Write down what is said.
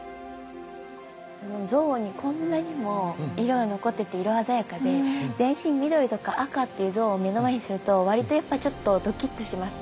像にこんなにも色が残ってて色鮮やかで全身緑とか赤っていう像を目の前にすると割とやっぱちょっとどきっとしますね。